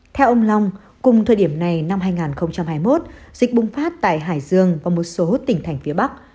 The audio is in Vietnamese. theo ông long cùng thời điểm này năm hai nghìn hai mươi một dịch bùng phát tại hải dương và một số tỉnh thành phía bắc